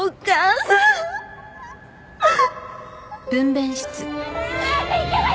あっ！